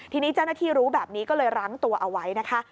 ทีนี้เจ้าหน้าที่รู้แบบนี้ก็เลยรั้งตัวเอาไว้นะคะ